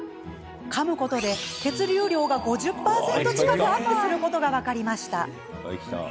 かむことで、血流量が５０％近くアップすることが分かりました。